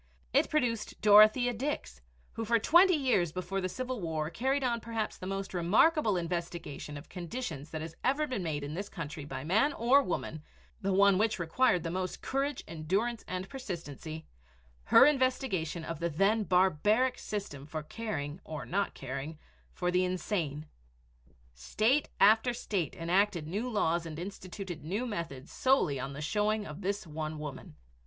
It produced Dorothea Dix, who for twenty years before the Civil War carried on perhaps the most remarkable investigation of conditions that has ever been made in this country by man or woman, the one which required the most courage, endurance, and persistency, her investigation of the then barbaric system for caring or not caring for the insane. State after state enacted new laws and instituted new methods solely on the showing of this one woman.